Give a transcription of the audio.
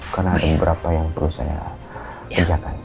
karena ada beberapa yang perlu saya kerjakan